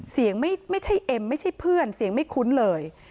ไม่ใช่เอ็มไม่ใช่เพื่อนเสียงไม่คุ้นเลย